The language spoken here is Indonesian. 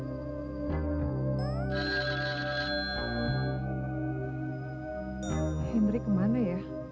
hendrik kemana ya